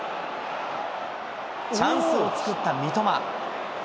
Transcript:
チャンスを作った三笘。